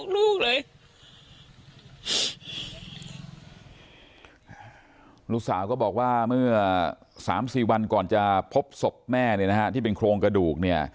ลูกสาวก็บอกว่าเมื่อ๓๔วันก่อนจะพบสมแม่ที่เป็นโครงกระดูก